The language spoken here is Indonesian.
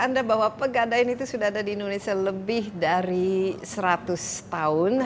anda bahwa pegadaian itu sudah ada di indonesia lebih dari seratus tahun